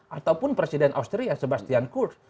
ataupun presiden austria sebastian kurs